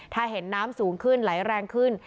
ถ้าเห็นน้ำสูงขึ้นไหลแรงขึ้น